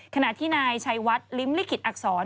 ขณะที่นายชัยวัดลิ้มลิขิตอักษร